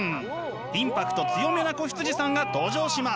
インパクト強めな子羊さんが登場します！